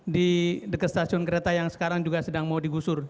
di dekastasiun kereta yang sekarang juga sedang mau digusur